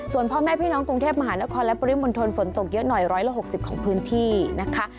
ส่วนพ่อแม่พี่น้องกรุงเทพมหานครและปริมณฑลฝนตกเยอะหน่อย๑๖๐ของพื้นที่นะคะ